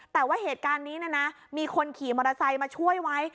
แต่ว่าเหตุการณ์นี้นะมีคนขี่มอเตอร์ไซค์มาช่วยไว้